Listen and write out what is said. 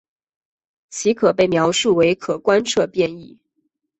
其可被描述为可观测变异。